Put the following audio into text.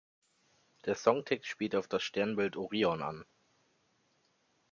Der Songtext spielt auf das Sternbild Orion an.